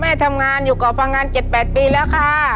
แม่ทำงานอยู่เกาะพังงาน๗๘ปีแล้วค่ะ